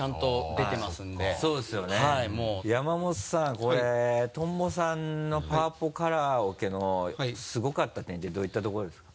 これトンボさんのパワポカラオケのすごかった点ってどういったところですか？